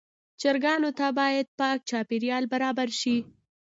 چرګانو ته باید پاک چاپېریال برابر شي.